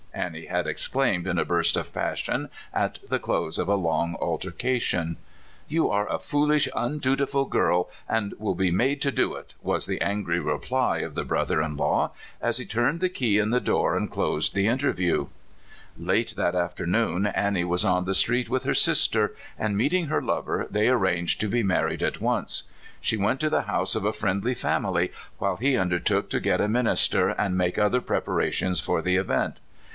" Annie had exclaimed in a burst of passion, at the close of a long altercation. "You are a foolish, undutiful girl, and will be made to do it," was the angry reply of the broth er in law, as he turned the key in the door and closed the interview. 304 CALIFORNIA SKETCHES. Late that afternoon Annie was on the street with her sister; and meeting her lover, they arranged to be married at once. She went to the house of a friendly family, while he undertook to get a min ister and make other preparations for the event.